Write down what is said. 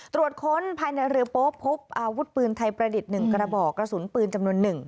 ตรวจค้นภายในเรือโป๊พบอาวุธปืนไทยประดิษฐ์๑กระบอกกระสุนปืนจำนวน๑